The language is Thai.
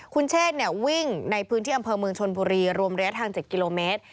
คุณเชษวิ่งในพื้นที่อำเภอเมืองชนบุรีรวมระยะทาง๗กิโลเมตร